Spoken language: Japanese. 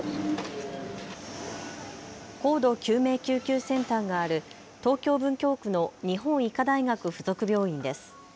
高度救命救急センターがある東京文京区の日本医科大学付属病院です。